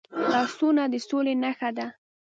لاسونه د سولې نښه ده